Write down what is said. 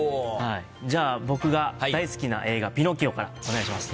じゃあ僕が大好きな映画『ピノキオ』からお願いします。